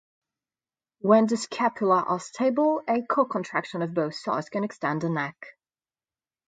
When the scapulae are stable a co-contraction of both sides can extend the neck.